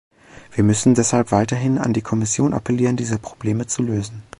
Wir müssen deshalb weiterhin an die Kommission appellieren, diese Probleme zu lösen.